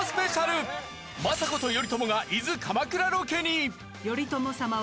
政子と頼朝が伊豆鎌倉ロケに